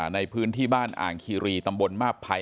ในพื้นที่บ้านอ่างคีรีตำบลมาบภัย